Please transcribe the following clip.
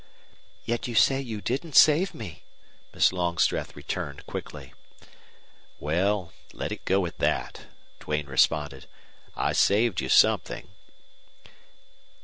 "Yet you say you didn't save me," Miss Longstreth returned, quickly. "Well, let it go at that," Duane responded. "I saved you something."